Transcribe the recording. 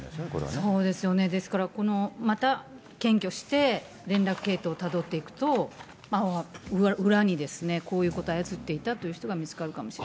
そうですよね、だから、このまた、検挙して、連絡系統をたどっていくと、裏にですね、こういうことを操っていたという人が見つかるかもしれない。